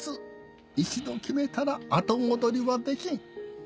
一度決めたら後戻りはできん。